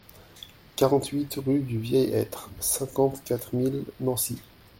quarante-huit rue du Vieil Aître, cinquante-quatre mille Nancy